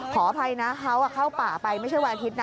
ขออภัยนะเขาเข้าป่าไปไม่ใช่วันอาทิตย์นะ